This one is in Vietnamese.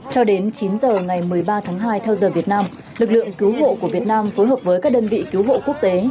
cho đến chín giờ ngày một mươi ba tháng hai theo giờ việt nam lực lượng cứu hộ của việt nam phối hợp với các đơn vị cứu hộ quốc tế